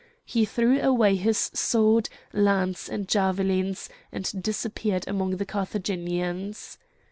He threw away his sword, lance, and javelins, and disappeared among the Carthaginians.